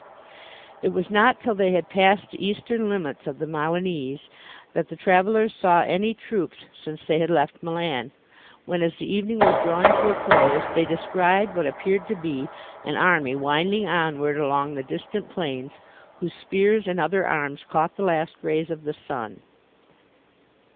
It was not till they had passed the eastern limits of the Milanese, that the travellers saw any troops since they had left Milan, when, as the evening was drawing to a close, they descried what appeared to be an army winding onward along the distant plains, whose spears and other arms caught the last rays of the sun.